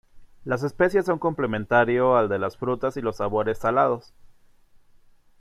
Las especias son complementario al de las frutas y los sabores salados.